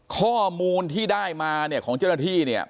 ข้อมูลที่ได้มาเนี่ยของเจ้าหน้าที่เนี่ย